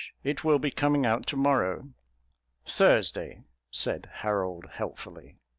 It will be coming out to morrow." "Thursday," said Harold helpfully.